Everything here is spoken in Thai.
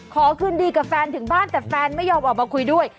ขอคืนดีกับแฟนถึงบ้านแต่แฟนไม่ยอมออกมาคุยด้วย